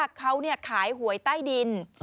คนนี้เขาเนี้ยขายหวยใต้ดิน